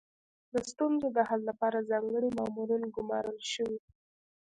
د ستونزو د حل لپاره ځانګړي مامورین ګمارل شوي.